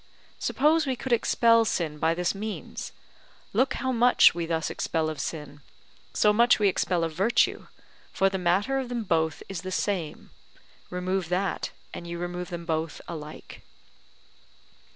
Suppose we could expel sin by this means; look how much we thus expel of sin, so much we expel of virtue: for the matter of them both is the same; remove that, and ye remove them both alike.